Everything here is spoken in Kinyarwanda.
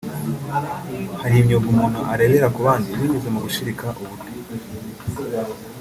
hari imyuga umuntu arebera ku bandi binyuze mu gushirika ubute